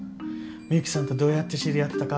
ミユキさんとどうやって知り合ったか。